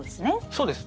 そうです。